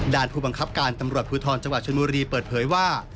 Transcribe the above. ผู้บังคับการตำรวจภูทรจังหวัดชนบุรีเปิดเผยว่า